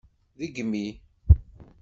Degmi!